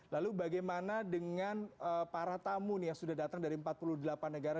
lalu bagaimana dengan para tamu yang sudah datang dari empat puluh delapan negara